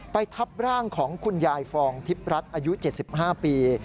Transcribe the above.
ทับร่างของคุณยายฟองทิพย์รัฐอายุ๗๕ปี